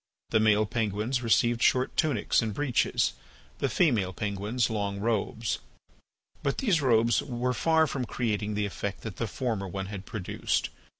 The male penguins received short tunics and breeches, the female penguins long robes. But these robes were far from creating the effect that the former one had produced.